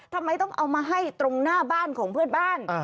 ทำไมต้องเอามาให้ตรงหน้าบ้านของเพื่อนบ้าน